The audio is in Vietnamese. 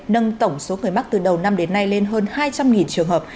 nâng tổng số người mắc từ đầu năm đến nay lên hơn hai trăm linh trường hợp